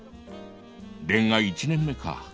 恋愛１年目か。